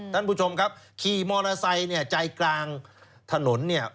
ท่านผู้ชมครับขี่มอเตอร์ไซค์เนี่ยใจกลางถนนเนี่ย